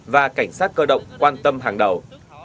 và cảnh sát cơ động quan tâm hàng đầu